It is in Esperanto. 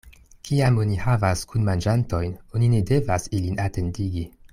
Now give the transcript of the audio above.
Kiam oni havas kunmanĝantojn, oni ne devas ilin atendigi.